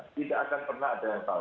tidak akan pernah ada yang tahu